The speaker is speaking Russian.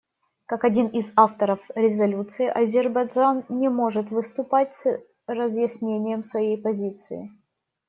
Как один из авторов резолюции Азербайджан не может выступать с разъяснением своей позиции.